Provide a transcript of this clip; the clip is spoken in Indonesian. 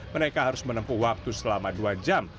mereka harus menempuh waktu selama dua jam